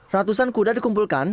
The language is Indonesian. ratusan kuda dikumpulkan